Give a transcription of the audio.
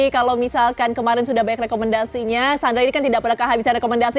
kalau misalkan kemarin sudah banyak rekomendasinya sandra ini kan tidak pernah kehabisan rekomendasi